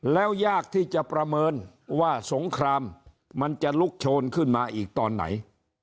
แล้วยากที่จะประเมินว่าสงครามมันจะลุกโชนขึ้นมาอีกตอนไหน